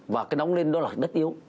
và cái nóng lên đó là đất yếu